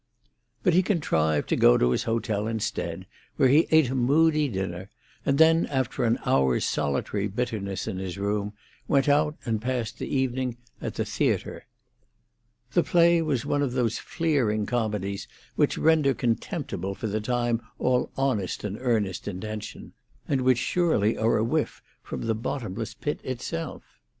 But he contrived to go to his hotel instead, where he ate a moody dinner, and then, after an hour's solitary bitterness in his room, went out and passed the evening at the theatre. The play was one of those fleering comedies which render contemptible for the time all honest and earnest intention, and which surely are a whiff from the bottomless pit itself.